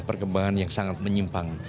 perkembangan yang sangat menyimpang